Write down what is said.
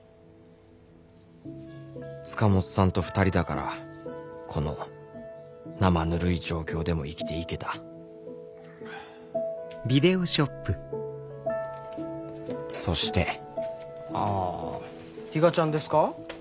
塚本さんと２人だからこのなまぬるい状況でも生きていけたそしてあ比嘉ちゃんですか？